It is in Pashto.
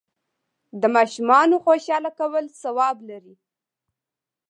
د ماشومانو خوشحاله کول ثواب لري.